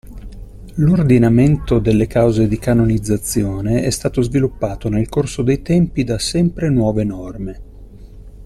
L'Ordinamento delle cause di canonizzazione è stato sviluppato nel corso dei tempi da sempre nuove norme.